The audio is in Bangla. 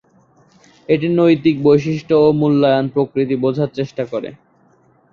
এটি নৈতিক বৈশিষ্ট্য ও মূল্যায়নের প্রকৃতি বোঝার চেষ্টা করে।